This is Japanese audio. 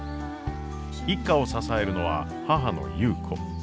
一家を支えるのは母の優子。